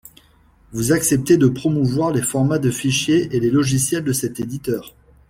Vous acceptez de promouvoir les formats de fichiers et les logiciels de cet éditeur.